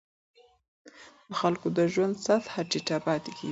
د خلکو د ژوند سطحه ټیټه پاتې کېږي.